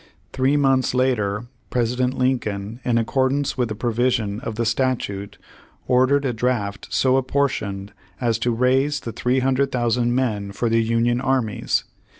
Three months later President Lincoln in accordance with the provis ions of the statue, ordered a draft so apportioned as to raise the 300,000 men for the Union armies.